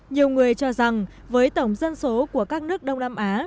nhiều người cho rằng với tổng dân số của các nước đông nam á